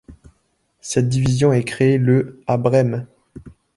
Cette division est créée le à Brême.